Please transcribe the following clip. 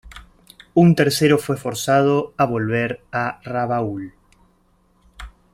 Un tercero fue forzado a volver a Rabaul.